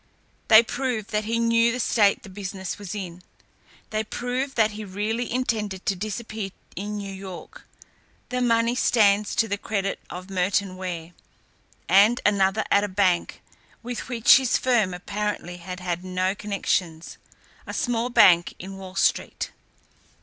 "They prove that he knew the state the business was in. They prove that he really intended to disappear in New York. The money stands to the credit of Merton Ware and another at a bank with which his firm apparently had had no connections, a small bank in Wall Street."